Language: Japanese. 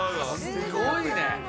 すごいね！